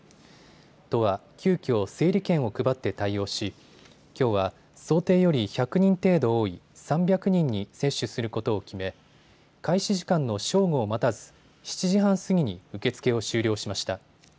都は急きょ整理券を配って対応しきょうは想定より１００人程度多い３００人に接種することを決め、開始時間の正午を待たず７時半過ぎに受け付けを終了しました。